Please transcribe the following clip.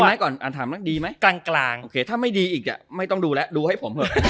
อ่านถามหน้าดีไหมกลางถ้าไม่ดีอีกอ่ะไม่ต้องดูแล้วดูให้ผมเถอะ